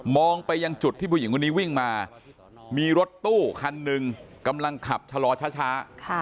ไปยังจุดที่ผู้หญิงคนนี้วิ่งมามีรถตู้คันหนึ่งกำลังขับชะลอช้า